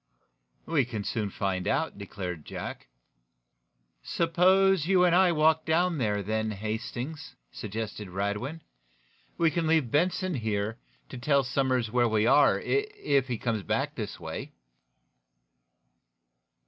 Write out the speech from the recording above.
"We can soon find out," declared Jack. "Suppose you and I walk down there, then, Hastings?" suggested Radwin. "We can leave Benson here, to tell Somers where we are, if he comes back this way."